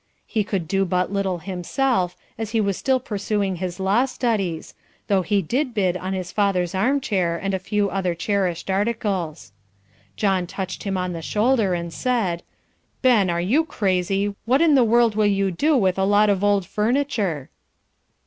He could do but little himself, as he was still pursuing his law studies, though he did bid in his father's armchair and a few other cherished articles. John touched him on the shoulder, and said, "Ben, are you crazy? What in the world will you do with a lot of old furniture?"